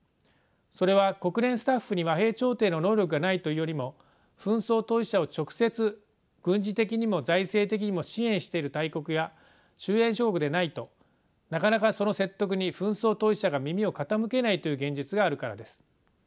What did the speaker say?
それは国連スタッフに和平調停の能力がないというよりも紛争当事者を直接軍事的にも財政的にも支援している大国や周辺諸国でないとなかなかその説得に紛争当事者が耳を傾けないという現実があるからです。